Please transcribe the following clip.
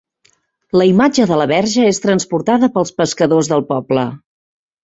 La imatge de la Verge és transportada pels pescadors del poble.